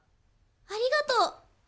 ありがとう！